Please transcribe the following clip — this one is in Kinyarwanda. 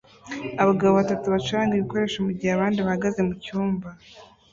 Abagabo batatu bacuranga ibikoresho mugihe abandi bahagaze mucyumba